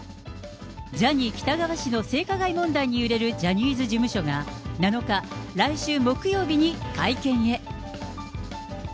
ジャニー喜多川氏の性加害問題に揺れるジャニーズ事務所が、７日、来週木曜日に会見へ。